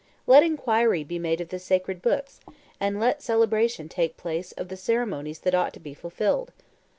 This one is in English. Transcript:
... Let inquiry be made of the sacred books, and let celebration take place of the ceremonies that ought to be fulfilled.